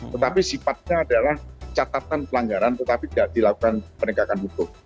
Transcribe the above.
tetapi sifatnya adalah catatan pelanggaran tetapi tidak dilakukan penegakan hukum